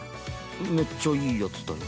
めっちゃいいヤツだよ。